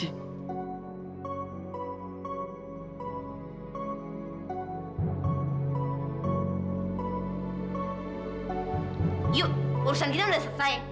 yuk urusan kita sudah selesai